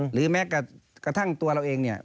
หรือแม้กระทั่งตัวเราเองเนี่ย